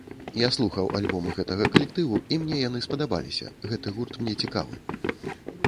Я слухаў альбомы гэтага калектыву, і мне яны спадабаліся, гэты гурт мне цікавы.